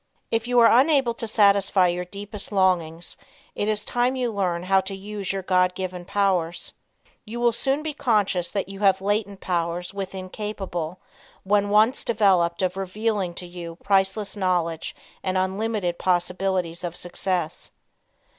If you are unable to satisfy your deepest longings it is time you learned how to use your God given powers. You will soon be conscious that you have latent powers within capable when once developed of revealing to you priceless knowledge and unlimited possibilities of success.